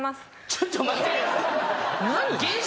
ちょっと待って！